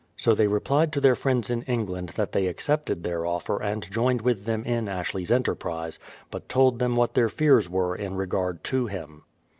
So they replied to their friends in Eng land tliat they accepted their offer and joined with them in Ashley's enterprise, but told them what their fears were in regard to him.